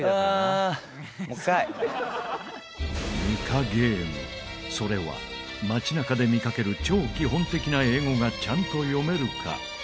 ニカゲーム、それは街中で見かける超基本的な英語がちゃんと読めるか？